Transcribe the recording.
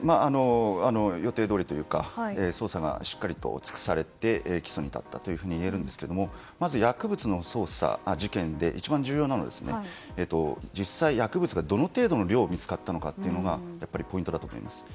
予定どおりというか捜査がしっかりと尽くされて起訴に至ったというふうにいえるんですけれどもまず薬物の捜査、事件で一番重要なのは実際、薬物がどの程度の量見つかったのかというのがポイントだと思います。